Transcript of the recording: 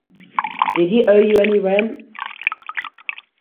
Did he owe you any rent?